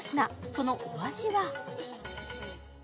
そのお味は？